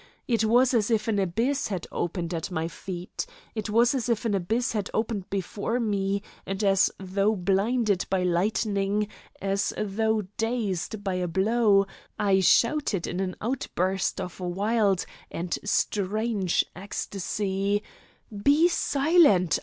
It was as if an abyss had opened at my feet. It was as if an abyss had opened before me, and as though blinded by lightning, as though dazed by a blow, I shouted in an outburst of wild and strange ecstasy: "Be silent!